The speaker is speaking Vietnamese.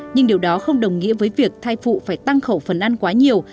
nhưng điều đó không đồng nghĩa với việc thai phụ phải tăng khẩu phần ăn quá nhiều